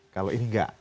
kalau ini enggak